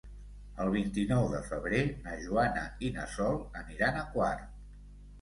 El vint-i-nou de febrer na Joana i na Sol aniran a Quart.